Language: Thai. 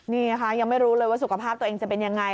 นี่ค่ะยังไม่รู้เลยว่าสุขภาพตัวเองจะเป็นยังไง